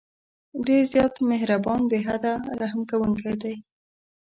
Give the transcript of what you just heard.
ډېر زیات مهربان، بې حده رحم كوونكى دى.